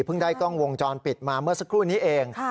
ได้กล้องวงจรปิดมาเมื่อสักครู่นี้เอง